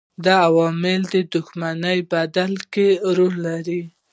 دا عوامل د شتمنۍ په بدلون کې رول لري.